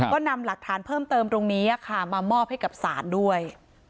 ก็นำหลักฐานเพิ่มเติมตรงนี้มามอบให้กับศาลด้วย